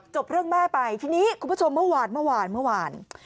จบเรื่องแม่ไปทีนี้คุณผู้ชมเมื่อวานเมื่อวาน